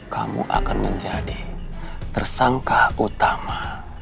kamu akan menjadi tersangka utama